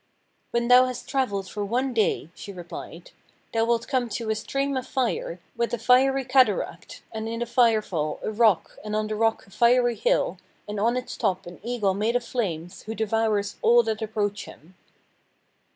'When thou hast travelled for one day,' she replied, 'thou wilt come to a stream of fire, with a fiery cataract, and in the fire fall a rock, and on the rock a fiery hill, and on its top an eagle made of flames, who devours all that approach him.'